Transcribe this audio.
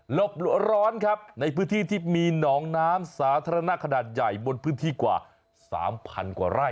บร้อนครับในพื้นที่ที่มีหนองน้ำสาธารณะขนาดใหญ่บนพื้นที่กว่า๓๐๐กว่าไร่